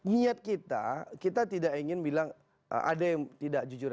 niat kita kita tidak ingin bilang ada yang tidak jujur